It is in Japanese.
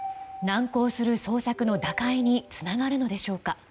難航する捜索の打開につながるのでしょうか。